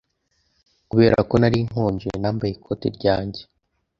Kubera ko nari nkonje, nambaye ikoti ryanjye.